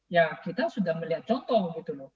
ya kita sudah melihat contoh gitu loh